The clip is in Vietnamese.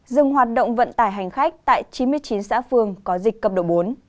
dừng hoạt động vận tải hành khách tại chín mươi chín xã phương có dịch cấp độ bốn